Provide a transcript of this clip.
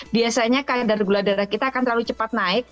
biasanya kadar gula darah kita akan terlalu cepat naik